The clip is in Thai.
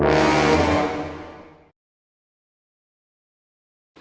ไม่จริงหรอกค่ะ